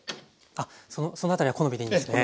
あっそのあたりは好みでいいんですね。